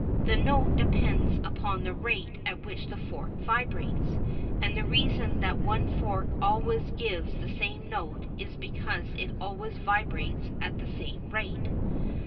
The note depends upon the rate at which the fork vibrates, and the reason that one fork always gives the same note is because it always vibrates at the same rate.